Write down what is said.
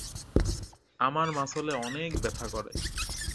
আমার মাসলে অনেক ব্যথা করে।